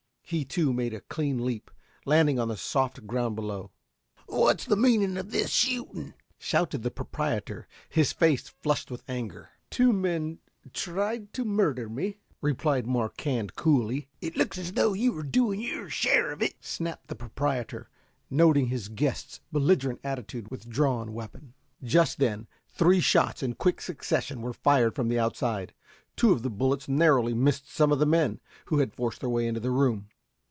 He, too, made a clean leap, landing on the soft ground below. "What's the meaning of this shooting?" shouted the proprietor, his face flushed with anger. "Two men tried to murder me," replied Marquand coolly. "It looks as though you were doing your share of it," snapped the proprietor, noting his guest's belligerent attitude and drawn weapon. Just then three shots in quick succession were fired from the outside. Two of the bullets narrowly missed some of the men, who had forced their way into the room.